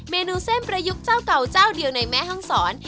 เมนูเส้นประยุกต์เจ้าเก่าเจ้าเดียวในแม่ห้องศร